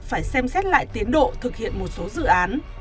phải xem xét lại tiến độ thực hiện một số dự án